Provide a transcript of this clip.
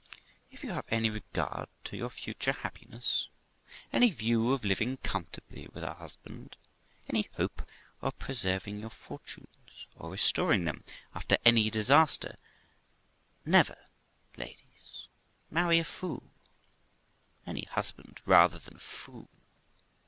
If you have any regard to your future happiness, any view of living comfortably with a husband, any hope of preserving your fortunes, or restoring them after any disaster, never, ladies, marry a fool; any husband rather than a fool.